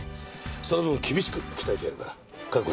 その分厳しく鍛えてやるから覚悟しろ。